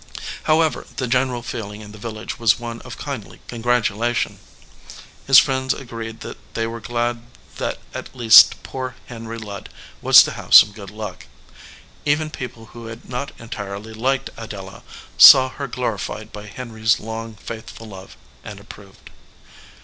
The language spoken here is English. However, the general feeling in the village was one of kindly congratulation. His friends agreed that they were glad that at last poor Henry Ludd was to have some good luck. Even people who had not entirely liked Adela saw her glorified by Henry s long, faithful love, and approved.